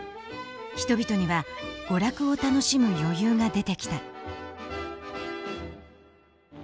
人々には娯楽を楽しむ余裕が出てきた。